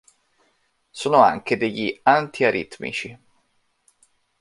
Sono anche degli antiaritmici.